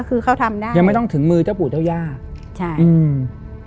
คือเขาทำได้ยังไม่ต้องถึงมือเจ้าปู่เจ้าย่าใช่อืม